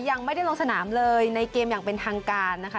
ยังไม่ได้ลงสนามเลยในเกมอย่างเป็นทางการนะคะ